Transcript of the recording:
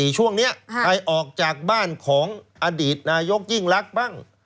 ช่วงนี้ใครออกจากบ้านของอดีตนายกยิ่งลักษณ์บ้าง